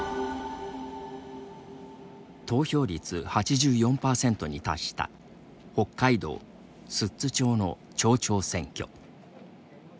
投票率８４％に達した北海道・寿都町の町長選挙。